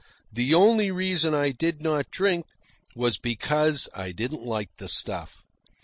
The only reason I did not drink was because I didn't like the stuff.